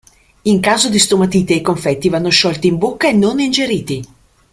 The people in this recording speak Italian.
In caso di stomatite i confetti vanno sciolti in bocca e non ingeriti.